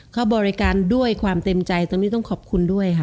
เขาบริการด้วยความเต็มใจตรงนี้ต้องขอบคุณด้วยค่ะ